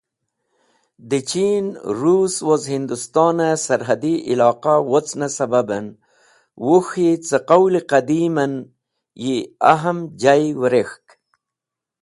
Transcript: De Chin; Russ woz Hindstone Sarhadi Iloqa wocne sababen Wuk̃hi ce Qawli qadeemken yi Ahm jay wirẽk̃hk.